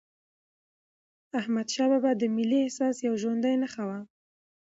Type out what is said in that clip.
احمدشاه بابا د ملي احساس یوه ژوندي نښه وه.